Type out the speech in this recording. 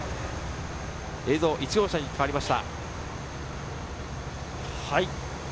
映像が１号車に変わりました。